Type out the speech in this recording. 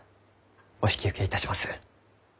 お引き受けいたします。